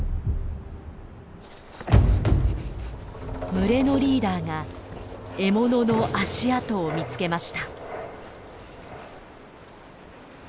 群れのリーダーが獲物の足跡を見つけました。